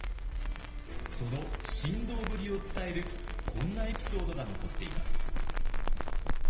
その神童ぶりを伝えるこんなエピソードが残っています。